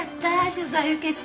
取材受けて。